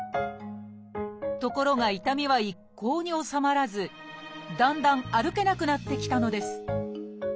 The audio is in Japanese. ところが痛みは一向に治まらずだんだん歩けなくなってきたのです。